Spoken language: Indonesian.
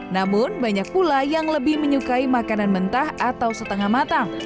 namun banyak pula yang lebih menyukai makanan mentah atau setengah matang